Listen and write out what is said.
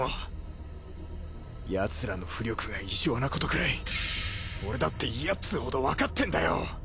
ピノ：ヤツらの巫力が異常なことくらい俺だって嫌っつうほどわかってんだよ。